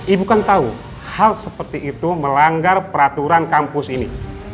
ibu kan tahu hal seperti itu melanggar peraturan kampus ini